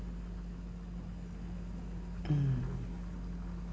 うん。